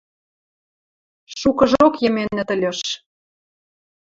Шукыжок йӹменӹт ыльыш.